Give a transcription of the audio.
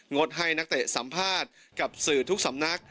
ดให้นักเตะสัมภาษณ์กับสื่อทุกสำนัก